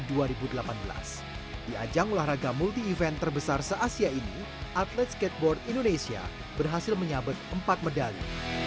di ajang olahraga multi event terbesar se asia ini atlet skateboard indonesia berhasil menyabet empat medali